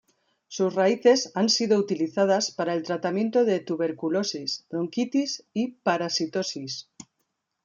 Sus raíces han sido utilizadas para el tratamiento de tuberculosis, bronquitis y parasitosis.